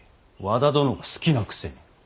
和田殿が好きなくせに。